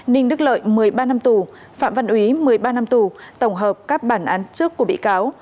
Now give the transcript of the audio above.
ninh đức lợi một mươi ba năm tù phạm văn úy một mươi ba năm tù tổng hợp các bản án trước của bị cáo